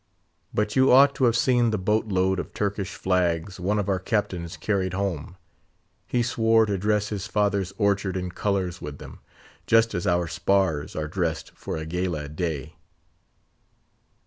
But you ought to have seen the boat load of Turkish flags one of our captains carried home; he swore to dress his father's orchard in colours with them, just as our spars are dressed for a gala day."